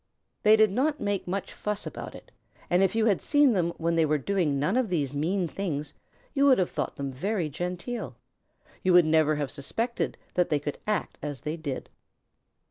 They did not make much fuss about it, and if you had seen them when they were doing none of these mean things, you would have thought them very genteel. You would never have suspected that they could act as they did.